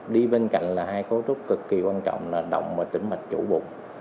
đi bên cạnh là hai cấu trúc cực kỳ quan trọng là động và tỉnh mặt chủ bụng